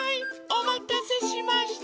おまたせしました。